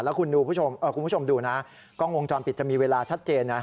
แล้วคุณผู้ชมดูนะกล้องวงจรปิดจะมีเวลาชัดเจนนะ